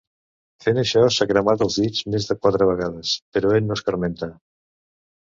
Fent això s'ha cremat els dits més de quatre vegades, però ell no escarmenta.